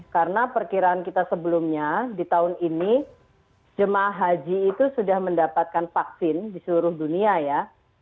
karena perkiraan kita sebelumnya di tahun ini jemaah haji itu sudah mendapatkan vaksin di seluruh dunia ya